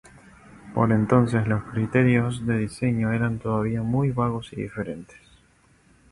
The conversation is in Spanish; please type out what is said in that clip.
Por entonces los criterios de diseño eran todavía muy vagos y diferentes.